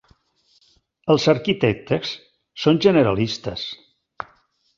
Els arquitectes són generalistes.